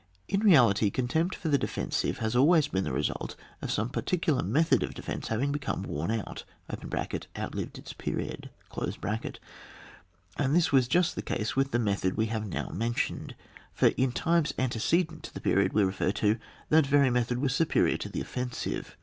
In reality, contempt for the defensive has always been the result of some paf» ticular method of defence having become worn out (outlived its period) ; and this was just the case with the method we have now mentioned, for in times ante cedent to the period we refer to, that very method was superior to the offensive.